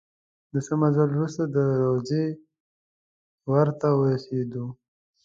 د څه مزل وروسته د روضې ور ته ورسېدو.